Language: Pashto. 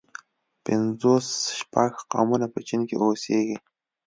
پنځوس شپږ قومونه په چين کې اوسيږي.